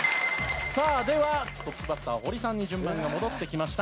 さあではトップバッターホリさんに順番が戻ってきました。